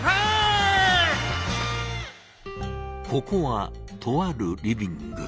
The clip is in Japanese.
ここはとあるリビング。